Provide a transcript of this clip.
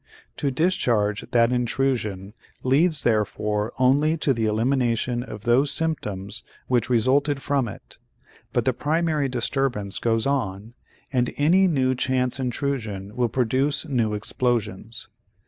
To discharge that intrusion leads therefore only to the elimination of those symptoms which resulted from it, but the primary disturbance goes on and any new chance intrusion will produce new explosions.